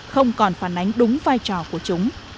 không còn phản ánh đúng vai trò của chúng